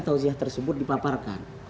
tawziah tersebut dipaparkan